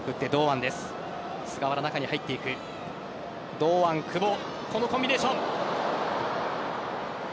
堂安、久保このコンビネーション。